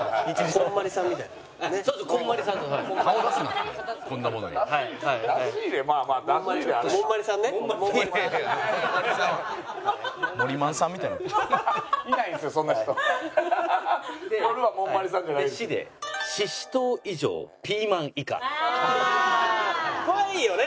これいいよね。